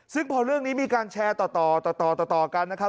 ซึ่งพอเรื่องนี้มีการแชร์ต่อต่อกันนะครับ